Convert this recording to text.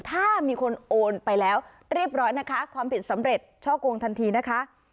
ถ้ามีคนโอนไปแล้วเรียบร้อยนะคะความผิดสำเร็จช่อกงทันทีนะคะ